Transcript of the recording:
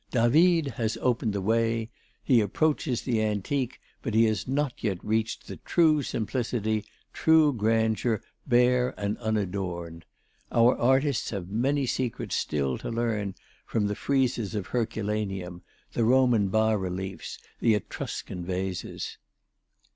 David has opened the way; he approaches the Antique, but he has not yet reached true simplicity, true grandeur, bare and unadorned. Our artists have many secrets still to learn from the friezes of Herculaneum, the Roman bas reliefs, the Etruscan vases."